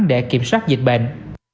để kiểm soát dịch bệnh